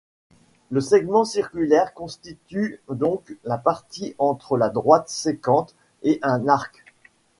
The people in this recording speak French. Le segment circulaire constitue donc la partie entre la droite sécante et un arc.